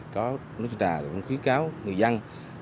có khuyến cáo người dân